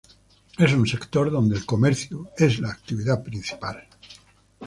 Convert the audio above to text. Es un sector donde el comercio es la actividad principal.